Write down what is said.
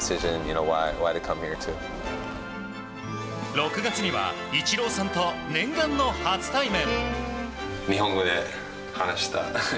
６月にはイチローさんと念願の初対面。